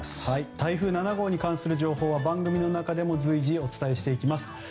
台風７号に関する情報は番組の中でも随時お伝えしていきます。